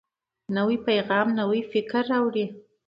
نوی پیغام نوی فکر راوړي